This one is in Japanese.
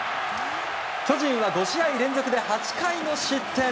巨人は５試合連続で８回の失点。